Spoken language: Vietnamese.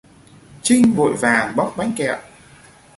Trinh vội vàng bóc Bánh Kẹo